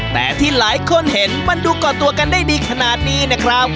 แต่ที่หลายคนเห็นมันดูก่อตัวกันได้ดีขนาดนี้นะครับ